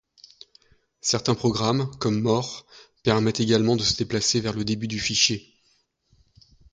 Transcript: Certains programmes, comme more, permettent également de se déplacer vers le début du fichier.